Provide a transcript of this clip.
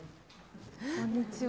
こんにちは。